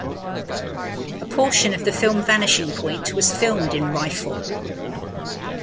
A portion of the film "Vanishing Point" was filmed in Rifle.